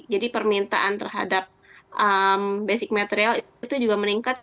jadi permintaan terhadap basic material itu juga meningkat